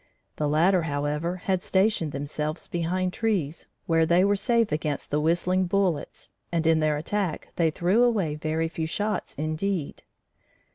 The latter, however, had stationed themselves behind trees, where they were safe against the whistling bullets, and in their attack they threw away very few shots indeed.